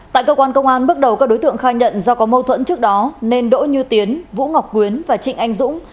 tại cơ quan công an bước đầu các đối tượng khai nhận do có mâu thuẫn trước đó nên đỗ như tiến vũ ngọc quyến và trịnh anh dũng